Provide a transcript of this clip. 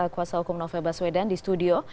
kuasa hukum novel baswedan di studio